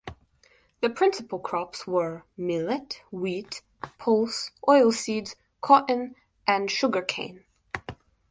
The principal crops were millet, wheat, pulse, oil-seeds, cotton and sugar cane.